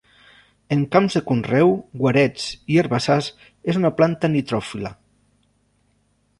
En camps de conreu, guarets i herbassars, és una planta nitròfila.